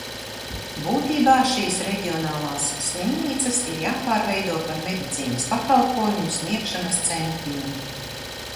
Būtībā šīs reģionālās slimnīcas ir jāpārveido par medicīnas pakalpojumu sniegšanas centriem.